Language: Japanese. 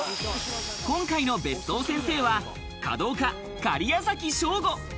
今回の別荘先生は華道家・假屋崎省吾。